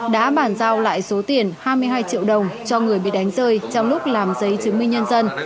đã bàn giao lại số tiền hai mươi hai triệu đồng cho người bị đánh rơi trong lúc làm giấy chứng minh nhân dân